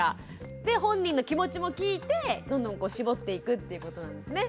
で本人の気持ちも聞いてどんどん絞っていくっていうことなんですね。